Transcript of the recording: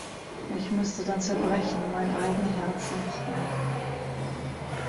Ich müßte dann zerbrechen Mein eigen Herz entzwei.